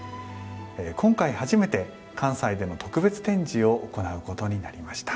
今回初めて関西での特別展示をおこなうことになりました。